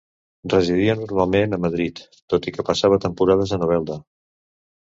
Residia normalment a Madrid, tot i que passava temporades a Novelda.